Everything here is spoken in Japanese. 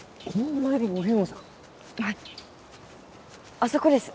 あそこです。